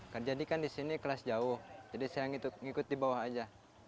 kan jadi kan di sini kelas jauh jadi saya ngikut di bawah aja